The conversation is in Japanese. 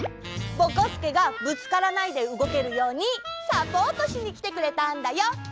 ぼこすけがぶつからないで動けるようにサポートしにきてくれたんだよ。ね！